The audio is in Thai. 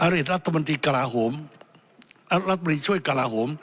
อฤษฐ์รัฐบริช่วยกลาโหม